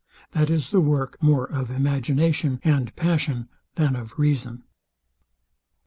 That is the work more of imagination and passion than of reason.